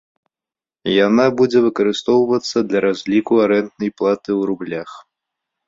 Яна будзе выкарыстоўвацца для разліку арэнднай платы ў рублях.